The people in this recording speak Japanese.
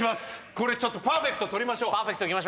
これパーフェクト取りましょう。